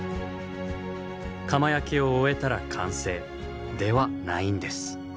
窯焼きを終えたら完成ではないんです。